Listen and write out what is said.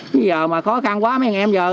bây giờ mà khó khăn quá mấy em giờ